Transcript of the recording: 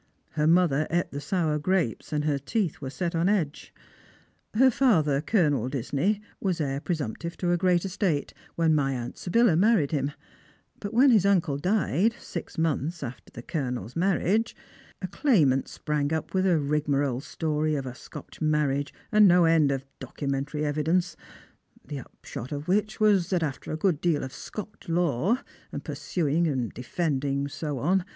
" Her mother ate the sour grapes, and her teeth were set on edge. Her father. Colonel Disney, was heir pre sumptive to a great estate, when my aunt Sybilla married him ; but when his uncle died, six months after the Colouel's mar riage, a claimant sprang up with a rigmarole story of a Scotch marriage, and no end of documentary evidence, the upahot of which was, that after a good deal of Scotch law, and pursuing and defending and ao on.